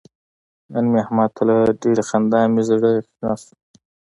نن مې احمد ته له ډېرې خندا مې زره شنه شوله.